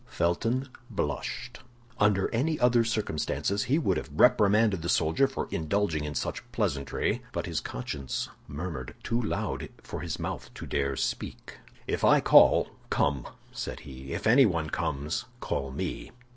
Felton blushed. Under any other circumstances he would have reprimanded the soldier for indulging in such pleasantry, but his conscience murmured too loud for his mouth to dare speak. "If I call, come," said he. "If anyone comes, call me."